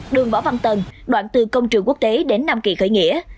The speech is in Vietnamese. đường võ văn tần đoạn từ công trường quốc tế đến nam kỳ khởi nghĩa